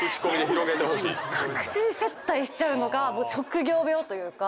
タクシー接待しちゃうのが職業病というか。